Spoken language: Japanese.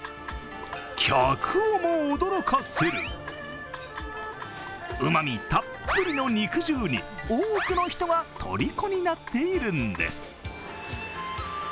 客をも驚かせる、うまみたっぷの肉汁に多くの人がとりこになっているんです。